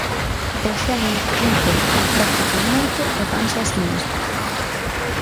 Os xenios len pouco, practican moito e fanse a si mesmos.